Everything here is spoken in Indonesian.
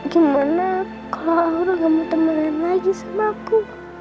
gimana kalau aura gak mau temenan lagi sama aku